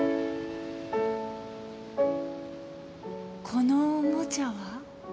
このおもちゃは？